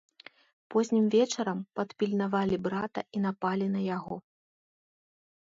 Познім вечарам падпільнавалі брата і напалі на яго.